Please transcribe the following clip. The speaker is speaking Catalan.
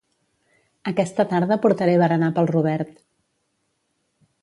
Aquesta tarda portaré berenar pel Robert